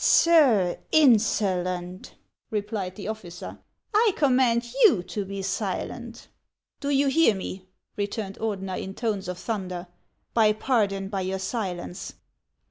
" Sir Insolent/' replied the officer, " I command you to be silent !"" Do you hear me ?" returned Ordener in tones of thun der. " Buy pardon by your silence."